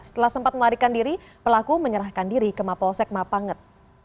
setelah sempat melarikan diri pelaku menyerahkan diri ke mapolsek mapanget